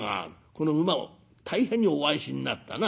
この馬を大変にお愛しになったな。